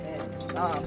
bu mereka datang